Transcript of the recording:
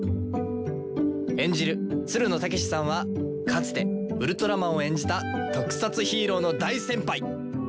演じるつるの剛士さんはかつてウルトラマンを演じた特撮ヒーローの大先輩！